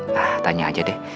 nah tanya aja deh